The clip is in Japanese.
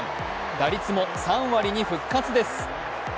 打率も３割に復活です。